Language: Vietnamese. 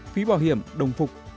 phí bảo hiểm đồng phục